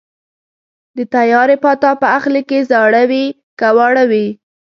د تیارې پاتا به اخلي که زاړه وي که واړه وي